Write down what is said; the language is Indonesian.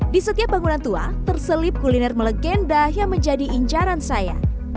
di setiap bangunan tua terselip kuliner melegenda yang menjadi incaran saya